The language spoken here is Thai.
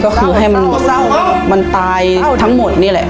ก็คือให้มันตายทั้งหมดนี่แหละ